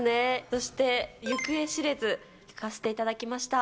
そして、行方知れず、聴かせていただきました。